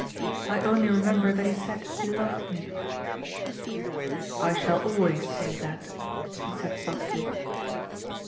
I only remember that he said he loved me." "I shall always say that," he said softly.